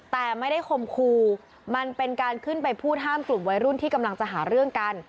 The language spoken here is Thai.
แต่ไม่ได้คมครูมันเป็นการขึ้นไปพูดห้ามกลุ่มวัยรุ่นที่กำลังจะหาเรื่องกัน